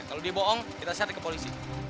kalau dia bohong kita serik ke polisi